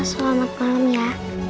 selamat malam ya